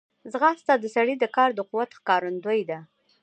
ځغاسته د سړي د کار د قوت ښکارندوی ده